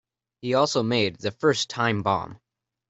He also made the first time bomb.